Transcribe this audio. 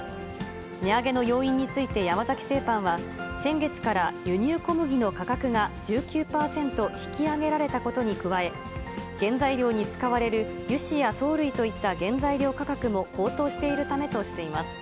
値上げの要因について山崎製パンは、先月から輸入小麦の価格が１９％引き上げられたことに加え、原材料に使われる油脂や糖類といった原材料価格も高騰しているためとしています。